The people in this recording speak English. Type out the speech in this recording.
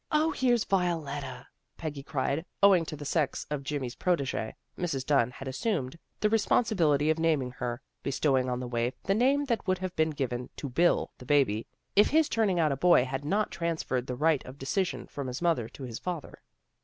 0, here's Violetta," Peggy cried. Owing to the sex of Jimmy's protege, Mrs. Dunn had assumed the responsibility of naming her, be stowing on the waif the name that would have been given to Bill, the baby, if his turning out a boy had not transferred the right of decision from his mother to his father.